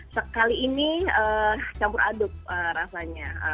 sekali ini campur aduk rasanya